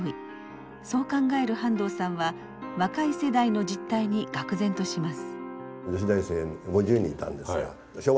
そう考える半藤さんは若い世代の実態にがく然とします。